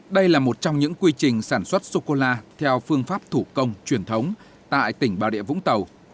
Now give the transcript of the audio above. đây là một trong những quy trình sản xuất sô cô la theo phương pháp thủ công truyền thống tại tỉnh bà địa vũng tàu